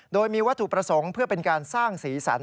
โดยมีวัตถุประสงค์เพื่อเป็นการสร้างสีสัน